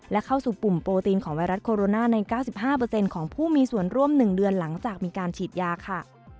และเข้าสู่ปุ่มโปรตีนของไวรัสโคโรนาใน๙๕ของผู้มีส่วนร่วม๑เดือนหลังจากมีการฉีดยาค่ะ